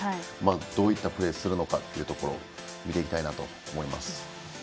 どういったプレーをするのかを見ていきたいなと思います。